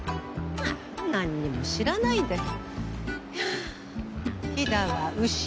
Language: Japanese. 何にも知らないでハァ。